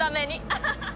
アハハハ！